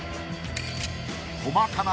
［細かな］